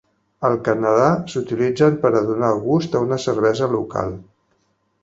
Al Canadà s'utilitzen per a donar gust a una cervesa local.